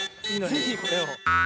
ぜひこれを。